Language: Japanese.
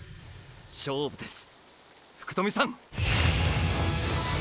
勝負です福富さん。